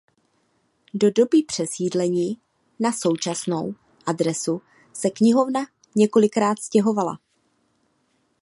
Do doby přesídlení na současnou adresu se knihovna několikrát stěhovala.